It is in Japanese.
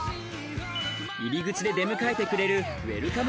入り口で出迎えてくれるウェルカム